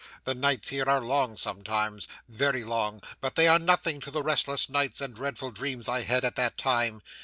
The nights here are long sometimes very long; but they are nothing to the restless nights, and dreadful dreams I had at that time.